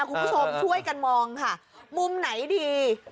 คุณผู้ชมช่วยกันมองค่ะมุมไหนดี